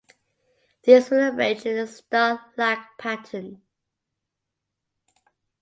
These were arranged in a star-like pattern.